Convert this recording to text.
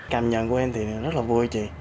cảm nhận của em thì rất là vui chị